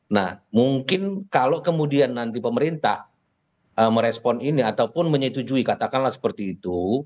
nah mungkin kalau kemudian nanti pemerintah merespon ini ataupun menyetujui katakanlah seperti itu